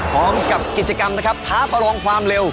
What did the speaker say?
พร้อมกับกิจกรรมนะครับท้าประลองความเร็ว